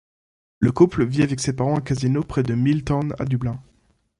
Le couple vit avec ses parents à Casino, près de Milltown à Dublin.